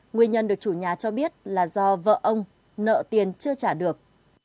nguyên nhân được chủ nhà cho biết là do vợ ông nợ tiền chưa trả được